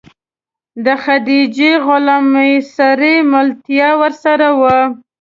د خدیجې غلام میسره ملتیا ورسره وه.